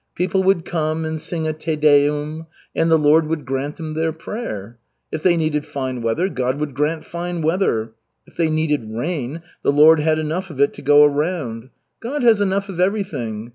People would come and sing a Te Deum and the Lord would grant them their prayer. If they needed fine weather, God would grant fine weather; if they needed rain, the Lord had enough of it to go round. God has enough of everything.